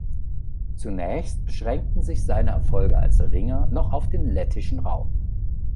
Zunächst beschränkten sich seine Erfolge als Ringer noch auf den lettischen Raum.